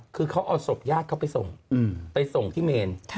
คือเขาเอาศพญาติเขาไปส่งไปส่งที่เมน